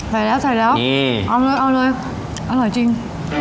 ใส่แล้วเอาเลยอร่อยจริง